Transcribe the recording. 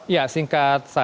ya singkatnya ya